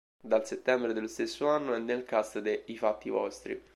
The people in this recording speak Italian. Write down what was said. Dal settembre dello stesso anno è nel cast de "I fatti vostri".